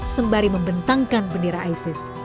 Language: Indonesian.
sembari membentangkan bendera isis